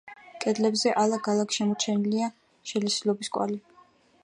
კედლებზე ალაგ–ალაგ შემორჩენილია შელესილობის კვალი.